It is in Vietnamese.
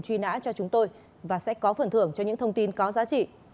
truy nã cho chúng tôi và sẽ có phần thưởng cho những thông tin có giá trị